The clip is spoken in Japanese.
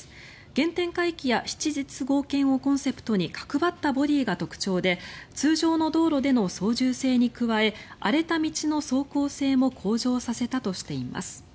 原点回帰や質実剛健をコンセプトに角張ったボディーが特徴で通常の道路での操縦性に加え荒れた道の走行性も向上させたとしています。